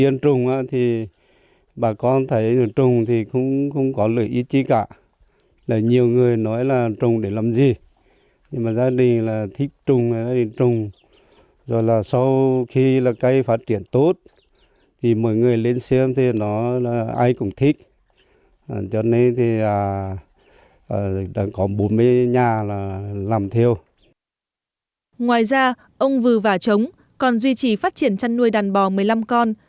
ngoài ra ông vừa vả trống còn duy trì phát triển chăn nuôi đàn bò một mươi năm con